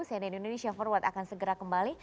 cnn indonesia forward akan segera kembali